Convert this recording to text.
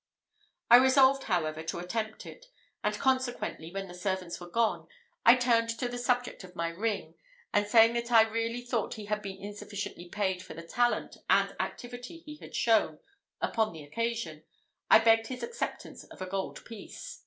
I resolved, however, to attempt it, and consequently, when the servants were gone, I turned to the subject of my ring; and saying that I really thought he had been insufficiently paid for the talent and activity he had shown upon the occasion, I begged his acceptance of a gold piece.